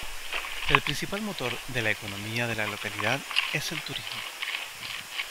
El principal motor de la economía de la localidad es el turismo.